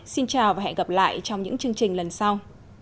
xin chào và hẹn gặp lại trong những chương trình lần sau